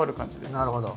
なるほど。